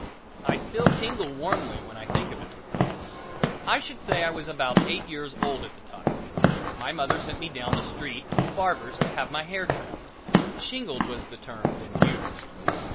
I still tingle warmly when I think of it. I should say I was about eight years old at the time. My mother sent me down the street to the barber's to have my hair trimmed shingled was the term then used.